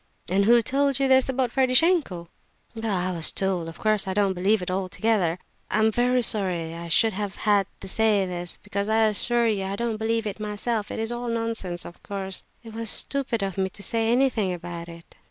"And who told you this about Ferdishenko?" "Oh, I was told. Of course I don't altogether believe it. I am very sorry that I should have had to say this, because I assure you I don't believe it myself; it is all nonsense, of course. It was stupid of me to say anything about it."